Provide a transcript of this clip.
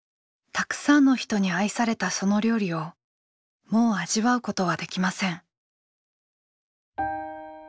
たくさんの人に愛されたその料理をもう味わうことはできません。